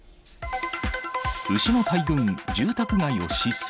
牛の大群、住宅街を疾走。